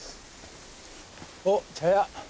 おっ茶屋。